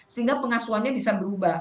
sehingga pengasuannya bisa berubah